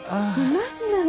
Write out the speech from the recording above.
何なの？